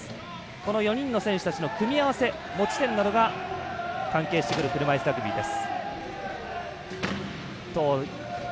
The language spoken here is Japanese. この４人の選手たちの組み合わせ持ち点などが関係してくる車いすラグビーです。